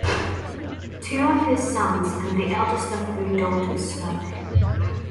Two of his five sons and the eldest of three daughters survived him.